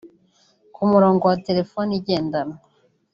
Ku murongo wa telefoni igendanwa